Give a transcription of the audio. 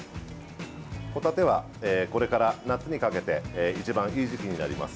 ホタテは、これから夏にかけて一番いい時期になります。